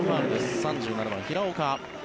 ３７番、平岡。